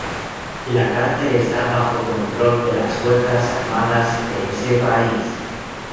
La cárcel está bajo control de las Fuerzas Armadas de ese país.